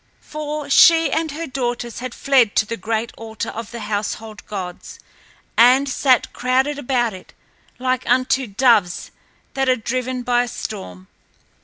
For she and her daughters had fled to the great altar of the household gods and sat crowded about it like unto doves that are driven by a storm.